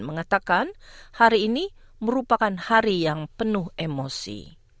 mengatakan hari ini merupakan hari yang penuh emosi